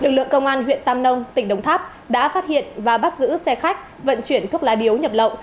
lực lượng công an huyện tam nông tỉnh đồng tháp đã phát hiện và bắt giữ xe khách vận chuyển thuốc lá điếu nhập lậu